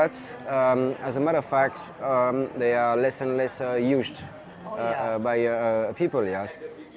tapi sebagai kesalahan mereka lebih kurang digunakan oleh orang